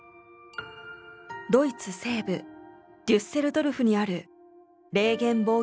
ドイツ西部デュッセルドルフにある。